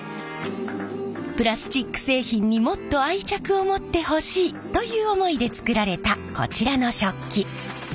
プラスチック製品にもっと愛着を持ってほしい！という思いで作られたこちらの食器。